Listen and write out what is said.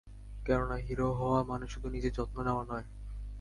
কেননা হিরো হওয়া মানে শুধু নিজের যত্ন নেওয়া নয়।